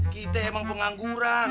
kita emang pengangguran